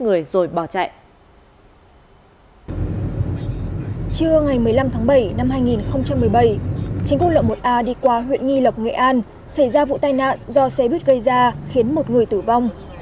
trưa ngày một mươi năm tháng bảy năm hai nghìn một mươi bảy trên quốc lộ một a đi qua huyện nghi lộc nghệ an xảy ra vụ tai nạn do xe buýt gây ra khiến một người tử vong